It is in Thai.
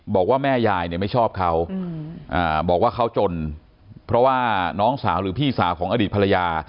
บอกว่าแม่ยายเนี่ยไม่ชอบเขาบอกว่าเขาจนเพราะว่าน้องสาวหรือพี่สาวของอดีตภรรยา